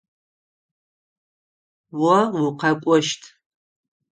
О укъэкӏощт.